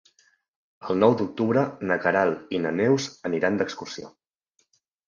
El nou d'octubre na Queralt i na Neus aniran d'excursió.